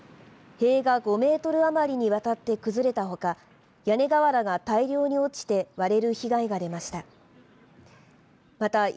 塀が５メートル余りにわたって崩れたほか屋根瓦が大量に落ちて割れる被害が出ました。